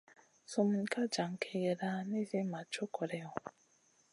Sumun ka jan kègèda nizi ma co koleyo.